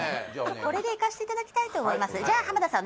これでいかせていただきたいと思いますじゃ浜田さん